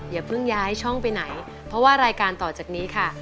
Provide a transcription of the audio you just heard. อย่าเพิ่งย้ายช่องไปไหนเพราะว่ารายการต่อจากนี้ค่ะ